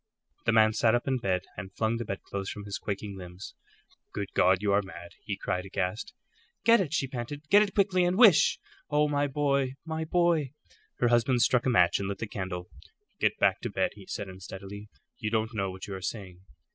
The man sat up in bed and flung the bedclothes from his quaking limbs. "Good God, you are mad!" he cried, aghast. "Get it," she panted; "get it quickly, and wish Oh, my boy, my boy!" Her husband struck a match and lit the candle. "Get back to bed," he said, unsteadily. "You don't know what you are saying."